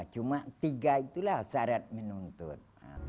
cuma tiga itulah syarat menuntut